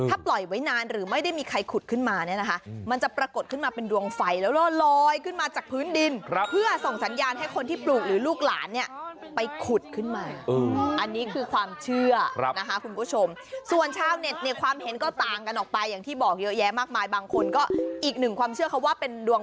ถ้าปล่อยไว้นานหรือไม่ได้มีใครขุดขึ้นมาเนี่ยนะคะมันจะปรากฏขึ้นมาเป็นดวงไฟแล้วก็ลอยขึ้นมาจากพื้นดินเพื่อส่งสัญญาณให้คนที่ปลูกหรือลูกหลานเนี่ยไปขุดขึ้นมาอันนี้คือความเชื่อนะคะคุณผู้ชมส่วนชาวเน็ตเนี่ยความเห็นก็ต่างกันออกไปอย่างที่บอกเยอะแยะมากมายบางคนก็อีกหนึ่งความเชื่อเขาว่าเป็นดวง